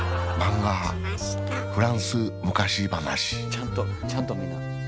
ちゃんとちゃんと見な。